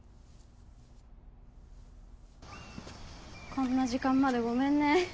こんな時間までごめんね。